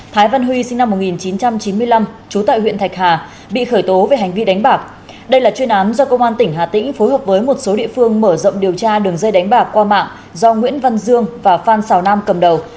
thái văn huy sinh năm một nghìn chín trăm chín mươi năm trú tại huyện thạch hà bị khởi tố về hành vi đánh bạc đây là chuyên án do công an tỉnh hà tĩnh phối hợp với một số địa phương mở rộng điều tra đường dây đánh bạc qua mạng do nguyễn văn dương và phan xào nam cầm đầu